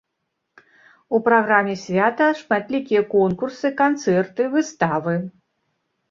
У праграме свята шматлікія конкурсы, канцэрты, выставы.